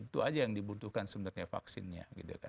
itu aja yang dibutuhkan sebenarnya vaksinnya